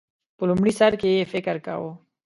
په لومړی سر کې یې فکر کاوه